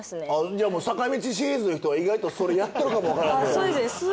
じゃあもう坂道シリーズの人意外とそれやってるかもわからんねや。